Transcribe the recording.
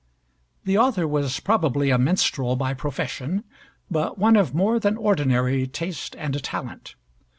The author was probably a minstrel by profession, but one of more than ordinary taste and talent.